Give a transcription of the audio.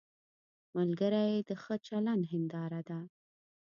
ملګری د ښه چلند هنداره ده